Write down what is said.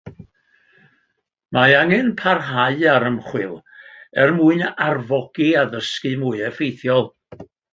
Mae angen parhau â'r ymchwil er mwyn arfogi addysgu mwy effeithiol.